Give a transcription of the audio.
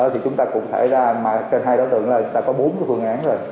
thì chúng ta cũng thể ra trên hai đối tượng là chúng ta có bốn cái phương án rồi